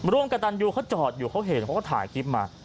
ร่วมกับตันยูเขาจอดอยู่เขาเห็นเขาก็ถ่ายคลิปมา